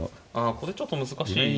これちょっと難しいですよね。